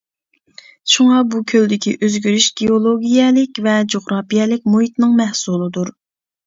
شۇڭا بۇ كۆلدىكى ئۆزگىرىش گېئولوگىيەلىك ۋە جۇغراپىيەلىك مۇھىتنىڭ مەھسۇلىدۇر.